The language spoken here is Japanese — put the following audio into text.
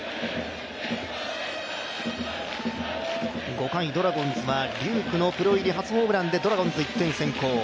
５回、ドラゴンズは龍空のプロ入り初ホームランでドラゴンズ１点先行。